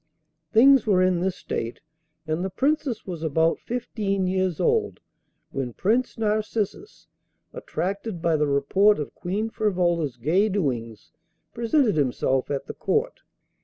Things were in this state, and the Princess was about fifteen years old, when Prince Narcissus, attracted by the report of Queen Frivola's gay doings, presented himself at the court.